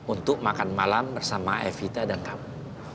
untuk makan malam bersama evita dan kamu